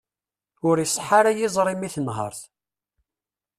Ur iṣeḥḥa ara yiẓri-m i tenhert.